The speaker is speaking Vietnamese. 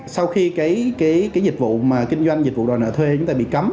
sau khi dịch vụ kinh doanh dịch vụ đòi nợ thuê bị cấm